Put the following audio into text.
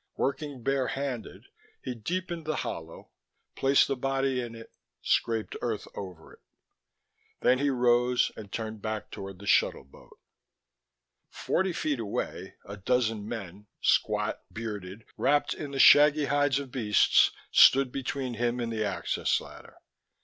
Working bare handed, he deepened the hollow, placed the body in it, scraped earth over it. Then he rose and turned back toward the shuttle boat. Forty feet away, a dozen men, squat, bearded, wrapped in the shaggy hides of beasts, stood between him and the access ladder.